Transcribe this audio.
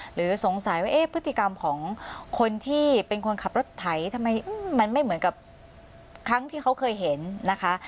หรือสงสัยว่าเอ๊ะพฤติกรรมของคนที่เป็นคนขับรถไถทำไมมันไม่เหมือนกับครั้งที่เขาเคยเห็นนะคะ